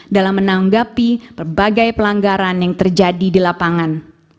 dalam menanggapi berbagai pelanggaran yang terjadi di lapangan